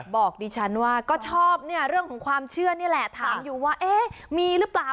บอกดิฉันว่าก็ชอบเนี่ยเรื่องของความเชื่อนี่แหละถามอยู่ว่าเอ๊ะมีหรือเปล่า